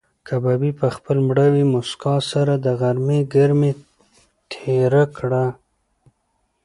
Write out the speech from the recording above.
کبابي په خپله مړاوې موسکا سره د غرمې ګرمي تېره کړه.